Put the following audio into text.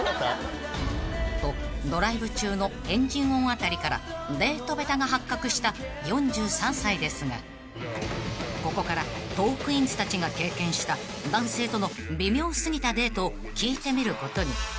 ［とドライブ中のエンジン音あたりからデート下手が発覚した４３歳ですがここからトークィーンズたちが経験した男性との微妙過ぎたデートを聞いてみることに］